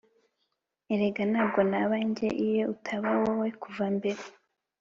erega ntabwo naba njye iyo utaba wowe kuva mbere.